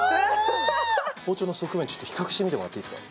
包丁の側面比較してみてもらっていいすか？